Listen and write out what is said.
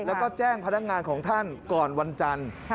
แล้วก็แจ้งพนักงานของท่านก่อนวันจันทร์